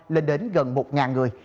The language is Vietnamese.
lên đến gần một người